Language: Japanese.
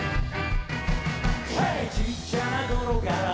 「ちっちゃな頃から」